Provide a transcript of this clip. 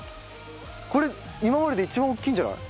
これ今までで一番大きいんじゃない？